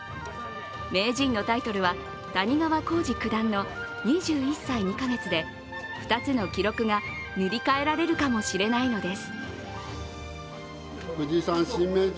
名人のタイトルは谷川浩司九段の２１歳２か月で、２つの記録が塗り替えられるかもしれないのです。